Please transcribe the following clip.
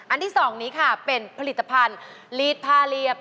ที่๒นี้ค่ะเป็นผลิตภัณฑ์ลีดผ้าเรียบ